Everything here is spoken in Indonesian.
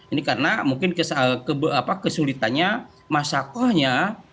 ini karena mungkin kesulitannya masakohnya